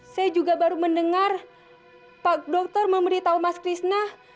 saya juga baru mendengar pak dokter memberitahu mas krishna